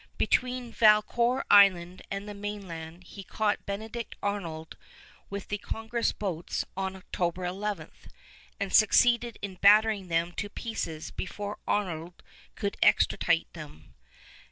Between Valcour Island and the mainland he caught Benedict Arnold with the Congress boats on October 11, and succeeded in battering them to pieces before Arnold could extricate them.